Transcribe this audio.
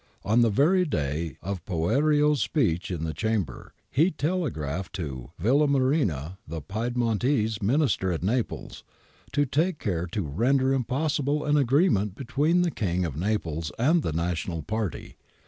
On the very day of Poerio's speech in the Chamber, he telegraphed to Villamarina, the Piedmontese Minister at Naples :* Take care to render impossible an agreement between the King of Naples and the national party.